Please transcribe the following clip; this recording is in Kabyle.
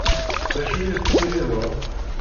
D acu i ad tessirideḍ?